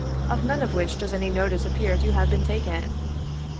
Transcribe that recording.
of none of which does any notice appear to have been taken.